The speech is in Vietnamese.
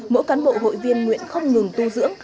mỗi cán bộ hội viên nguyện không ngừng tu dưỡng